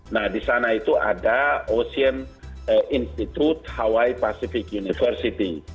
nah di sana itu ada ocean institute hawaii pacific university